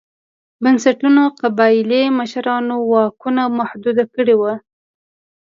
بنسټونو قبایلي مشرانو واکونه محدود کړي وو.